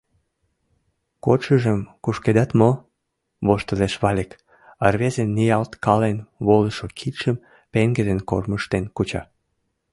— Кодшыжым кушкедат мо? — воштылеш Валик, рвезын ниялткален волышо кидшым пеҥгыдын кормыжтен куча.